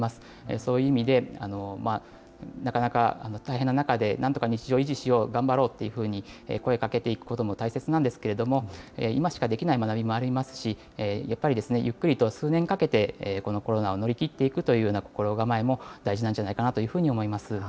そういう意味で、なかなか大変な中でなんとか日常を維持しよう、頑張ろうというふうに声かけていくことも大切なんですけれども、今しかできない学びもありますし、やっぱりゆっくりと数年かけてこのコロナを乗り切っていくというような心構えも大事なんじゃないかなというふうに思います。